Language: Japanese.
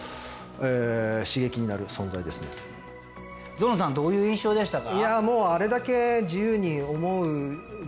ゾノさんどういう印象でしたか？